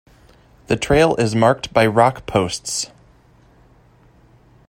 The trail is marked by rock posts.